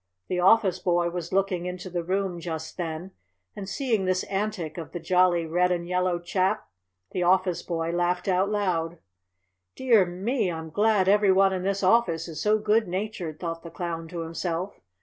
The office boy was looking into the room just then, and, seeing this antic of the jolly red and yellow chap, the office boy laughed out loud. "Dear me! I'm glad every one in this office is so good natured," thought the Clown to himself.